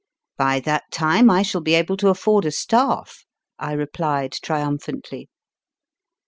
k By that time I shall L be able to afford a staff, I replied triumphantly.